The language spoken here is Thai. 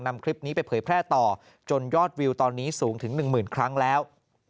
นำคลิปนี้ไปเผยแพร่ต่อจนยอดวิวตอนนี้สูงถึง๑๐๐๐ครั้งแล้ว